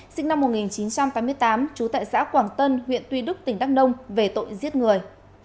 sinh năm một nghìn chín trăm tám mươi tám trú tại xã quảng tân huyện tuy đức tỉnh đắk nông về tội giết người